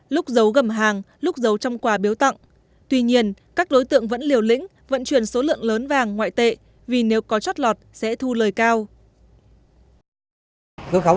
lúc dấu gầm hàng lúc dấu trong quà bán lúc dấu trong quà bán lúc dấu trong quà bán lúc dấu trong quà bán